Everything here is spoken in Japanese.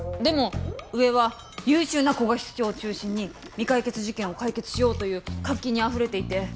でも上は優秀な古賀室長を中心に未解決事件を解決しようという活気にあふれていて。